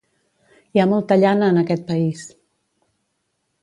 Hi ha molta llana, en aquest país!